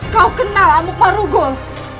kau kenal amu kemarugul